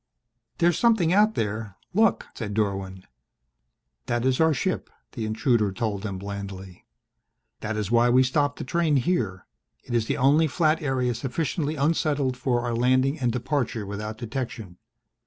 "There's something out there look," said Dorwin. "That is our ship," the intruder told them blandly. "That is why we stopped the train here. It is the only flat area sufficiently unsettled for our landing and departure without detection.